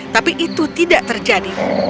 tapi itu tidak terjadi